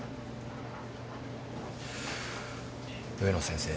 植野先生。